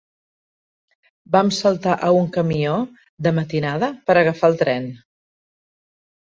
Vam saltar a un camió, de matinada, per agafar el tren